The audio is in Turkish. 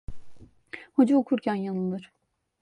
Hoca okurken yanılır.